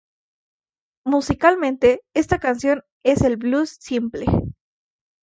Musicalmente, esta canción es un blues simple.